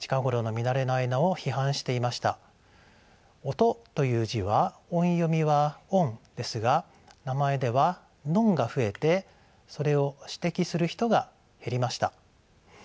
「音」という字は音読みは「オン」ですが名前では「ノン」が増えてそれを指摘する人が減りました。